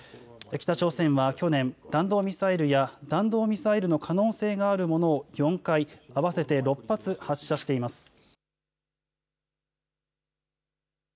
北朝鮮は去年、弾道ミサイルや弾道ミサイルの可能性があるものを４回、合わせて６発発射しています。